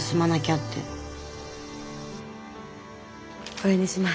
これにします。